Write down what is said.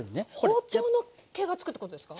包丁の気がつくってことですか？